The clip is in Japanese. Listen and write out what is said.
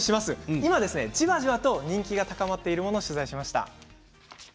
今じわじわと人気が高まってきているものを取材しました。